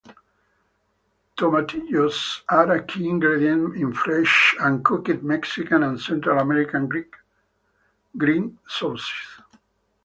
Tomatillos are a key ingredient in fresh and cooked Mexican and Central-American green sauces.